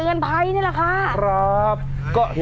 โอ้โหโอ้โห